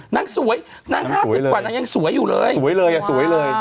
นาง๕๐กว่านั้นยังสวยอยู่เลย